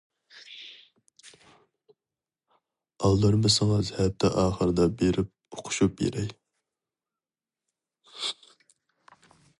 ئالدىرىمىسىڭىز ھەپتە ئاخىرىدا بېرىپ ئۇقۇشۇپ بېرەي.